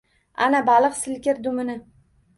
Ana, baliq — silkir dumini.